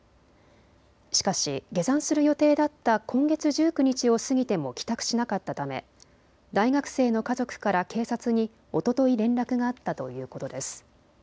しかし下山する予定だった今月１９日を過ぎても帰宅しなかったため大学生の家族から警察におととい連絡があったということです。